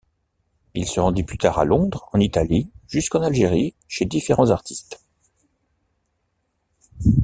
Il se rendit plus tard à Londres, en Italie jusqu'en Algérie chez différents artistes.